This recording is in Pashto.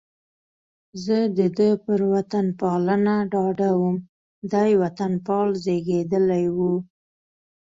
زه د ده پر وطنپالنه ډاډه وم، دی وطنپال زېږېدلی و.